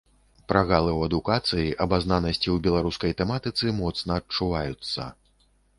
Прагалы ў адукацыі, абазнанасці ў беларускай тэматыцы моцна адчуваюцца.